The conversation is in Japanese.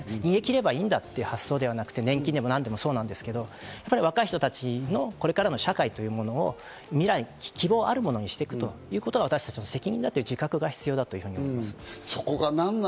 逃げ切ればいいという事ではなく、年金も何でもそうですけど、これからの社会というのは未来ある、希望あるものにしていくということが私たちの責任だという自覚が必要だと思います。